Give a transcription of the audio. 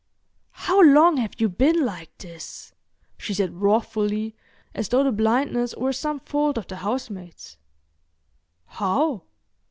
"How long have you been like this?" she said wrathfully, as though the blindness were some fault of the housemaids. "How?"